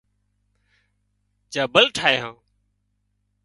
جبل ٺاهيان